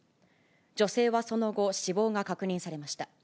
女性はその後、死亡が確認されました。